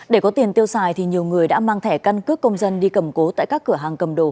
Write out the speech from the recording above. để có tiền tiêu xài thì nhiều người đã mang thẻ căn cước công dân đi cầm cố tại các cửa hàng cầm đồ